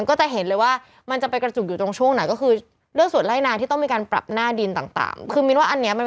ก็ยังเยอะยังปล่อยก๊าซน้ำมันดีเซลรถที่ใช้